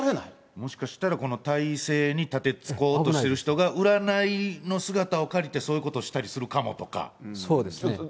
もしかしたらこの体制にたてつこうとしている人が、占いの姿を借りてそういうことをしたりするかもとか。